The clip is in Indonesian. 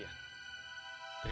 saya rasa sekian